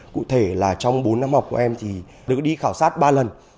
cụ thể là trong bốn năm học của em thì được đi khảo sát ba lần